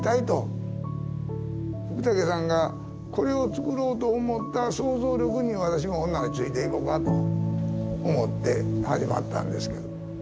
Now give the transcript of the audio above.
福武さんがこれをつくろうと思った想像力に私もほんならついていこかと思って始まったんですけど。